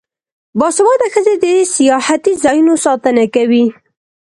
باسواده ښځې د سیاحتي ځایونو ساتنه کوي.